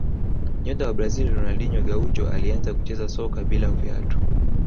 nyota wa brazil ronaldinho gaucho alianza kucheza soka bila viatu